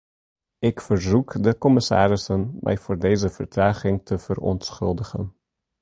Ik verzoek de commissarissen mij voor deze vertraging te verontschuldigen.